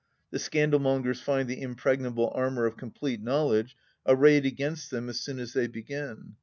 The scandalmongers find the impregnable armour of complete knowledge arrayed against them as soon as they begin.